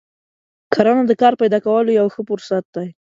کرنه د کار پیدا کولو یو ښه فرصت دی.